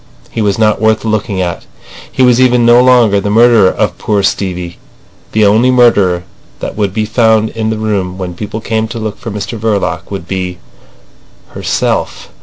He was not worth looking at. He was even no longer the murderer of poor Stevie. The only murderer that would be found in the room when people came to look for Mr Verloc would be—herself!